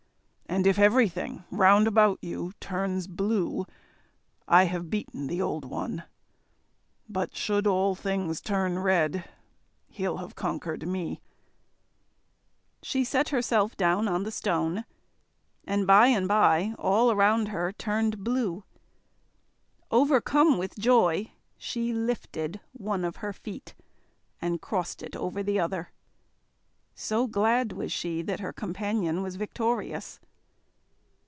And if everything round about you turns blue, I have beaten the Old One; but should all things turn red, he'll have conquered me." She set herself down on the stone, and by and by all round her turned blue. Overcome with joy, she lifted one of her feet, and crossed it over the other, so glad was she that her companion was victorious.